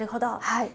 はい。